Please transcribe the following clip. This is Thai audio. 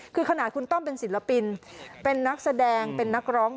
คือขนาดคุณต้อมเป็นศิลปินเป็นนักแสดงเป็นนักร้อง